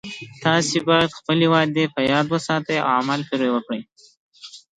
تاسې باید خپلې وعدې په یاد وساتئ او عمل پری وکړئ